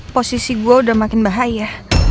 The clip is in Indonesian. posisi gue udah makin bahaya